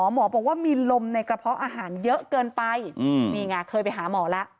หมอบอกว่ามีลมในกระเพาะอาหารเยอะเกินไปนี่ไงเคยไปหาหมอแล้ว